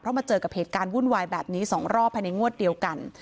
มาเจอกับเหตุการณ์วุ่นวายแบบนี้๒รอบภายในงวดเดียวกัน